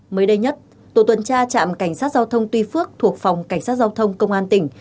mới đây nhất tổ tuần tra trạm cảnh sát giao thông tuy phước thuộc phòng cảnh sát giao thông công an tỉnh